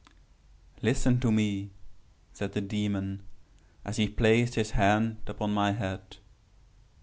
"Listen to me," said the Demon as he placed his hand upon my head.